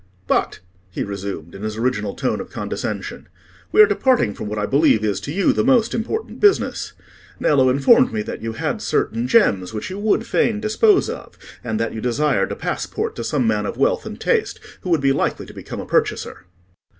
"But," he resumed, in his original tone of condescension, "we are departing from what I believe is to you the most important business. Nello informed me that you had certain gems which you would fain dispose of, and that you desired a passport to some man of wealth and taste who would be likely to become a purchaser."